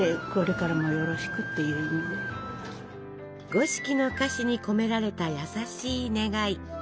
五色の菓子に込められた優しい願い。